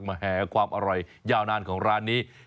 แห่ความอร่อยยาวนานของร้านนี้